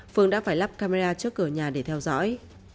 phương đã phải lắp camera trước cửa nhà để theo dõi